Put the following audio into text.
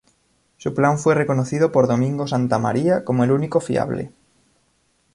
Su plan fue reconocido por Domingo Santa María como el único fiable.